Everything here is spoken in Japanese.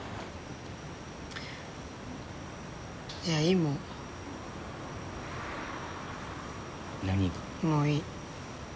じゃあいい、もう。